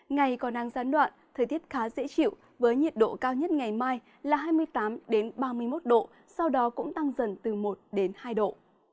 ngày còn đang gián đoạn thời tiết khá dễ chịu với nhiệt độ cao nhất ngày mai là hai mươi tám ba mươi một độ sau đó cũng tăng dần từ một hai độ